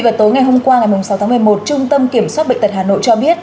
vào tối ngày hôm qua ngày sáu tháng một mươi một trung tâm kiểm soát bệnh tật hà nội cho biết